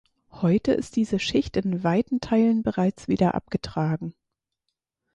Heute ist diese Schicht in weiten Teilen bereits wieder abgetragen.